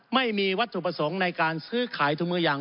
ไม่มีวัตถุประสงค์ในการซื้อขายถุงมืออย่าง